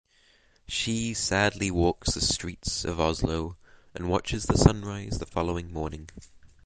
She sadly walks the streets of Oslo and watches the sunrise the following morning.